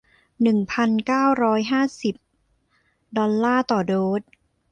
หนึ่งพันเก้าร้อยห้าสิบ ดอลลาร์ต่อโดส